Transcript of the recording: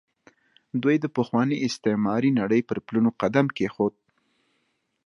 دوی د پخوانۍ استعماري نړۍ پر پلونو قدم کېښود.